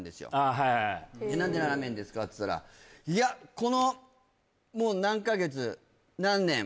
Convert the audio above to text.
はいはいで何でラーメンですかって言ったらいやこのもう何カ月何年